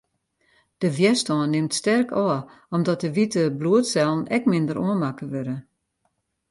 De wjerstân nimt sterk ôf, omdat de wite bloedsellen ek minder oanmakke wurde.